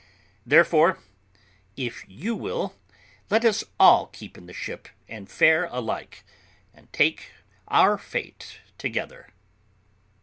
Therefore, if you will, let us all keep in the ship, fare alike, and take our fate together."